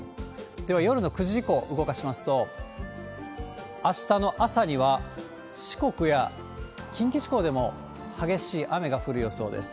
では、夜の９時以降動かしますと、あしたの朝には、四国や近畿地方でも激しい雨が降る予想です。